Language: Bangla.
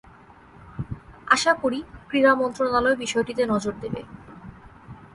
আশা করি, ক্রীড়া মন্ত্রণালয় বিষয়টিতে নজর দেবে।